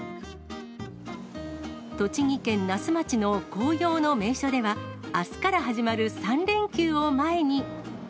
栃木県那須町の紅葉の名所では、あすから始まる３連休を前に。